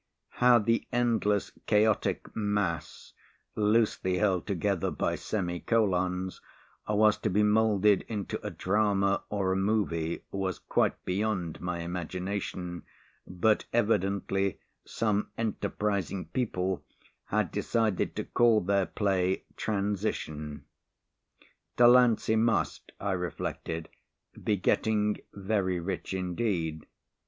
How the endless chaotic mass, loosely held together by semi colons, was to be moulded into a drama or a movie was quite beyond my imagination, but evidently some enterprising people had decided to call their play "Transition." "Delancey must," I reflected, "be getting very rich indeed."